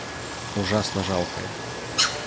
Ужасно жалкое!